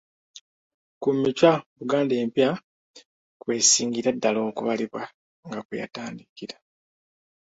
Ku Michwa Buganda Empya kw'esingira ddala okubalirwa nga kwe yatandikira.